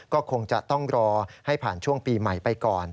ก็คงจะต้องรอให้ผ่านช่วงปีใหม่ไปก่อน